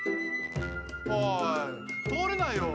おい通れないよ。